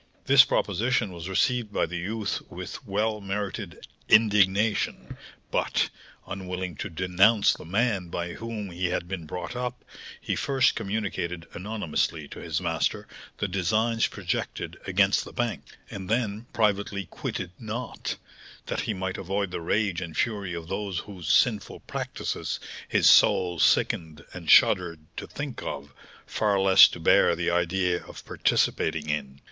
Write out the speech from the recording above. This proposition was received by the youth with well merited indignation, but, unwilling to denounce the man by whom he had been brought up, he first communicated anonymously to his master the designs projected against the bank, and then privately quitted Nantes, that he might avoid the rage and fury of those whose sinful practices his soul sickened and shuddered to think of, far less to bear the idea of participating in.